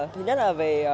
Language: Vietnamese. thứ nhất là về